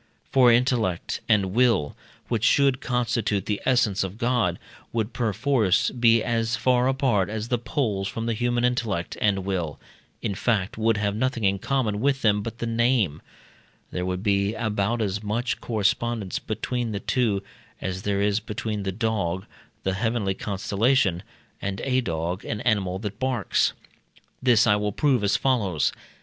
For intellect and will, which should constitute the essence of God, would perforce be as far apart as the poles from the human intellect and will, in fact, would have nothing in common with them but the name; there would be about as much correspondence between the two as there is between the Dog, the heavenly constellation, and a dog, an animal that barks. This I will prove as follows.